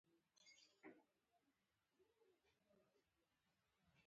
په شپه کې يې حرکت وکړ.